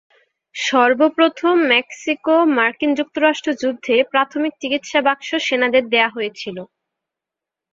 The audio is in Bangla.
সর্ব প্রথম মেক্সিকো-মার্কিন যুক্তরাষ্ট্র যুদ্ধে প্রাথমিক চিকিৎসা বাক্স সেনাদের দেওয়া হয়েছিল।